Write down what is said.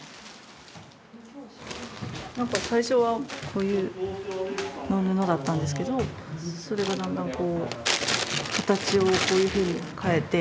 何か最初はこういう布だったんですけどそれがだんだんこう形をこういうふうに変えて。